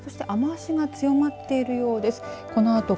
そして雨足が強まっているようです。